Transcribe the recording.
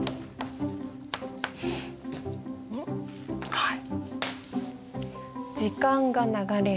はい。